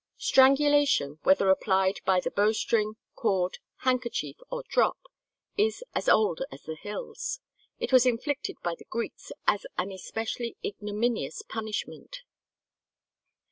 Strangulation, whether applied by the bowstring, cord, handkerchief, or drop, is as old as the hills. It was inflicted by the Greeks as an especially ignominious punishment.